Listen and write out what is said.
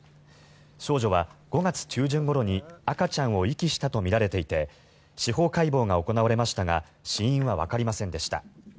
少女は５月中旬ごろに赤ちゃんを遺棄したとみられていて司法解剖が行われましたが死因はわかりませんでした。